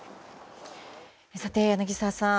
さて、柳澤さん